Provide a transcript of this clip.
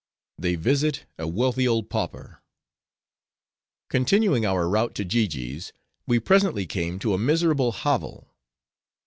They Visit A Wealthy Old Pauper Continuing our route to Jiji's, we presently came to a miserable hovel.